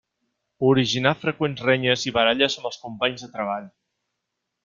Originar freqüents renyes i baralles amb els companys de treball.